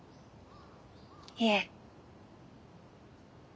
いえ。